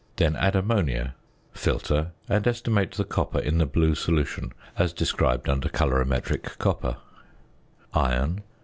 then add ammonia, filter, and estimate the copper in the blue solution, as described under Colorimetric Copper. ~Iron.